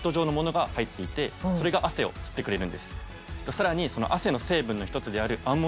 さらに。